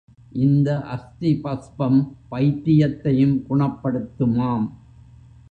இந்த அஸ்தி பஸ்பம் பைத்தியத்தையும் குணப்படுத்துமாம்.